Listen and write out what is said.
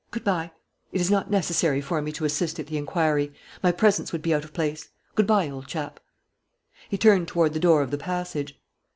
Good bye. It is not necessary for me to assist at the inquiry; my presence would be out of place. Good bye, old chap." He turned toward the door of the passage.